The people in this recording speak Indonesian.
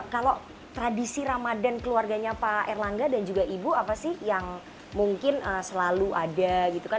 kalau tradisi ramadan keluarganya pak erlangga dan juga ibu apa sih yang mungkin selalu ada gitu kan